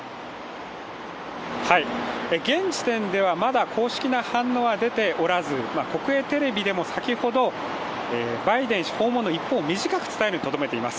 現時点ではまだ公式な反応は出ておらず国営テレビでも先ほど、バイデン氏訪問の一報を短く伝えるにとどめています。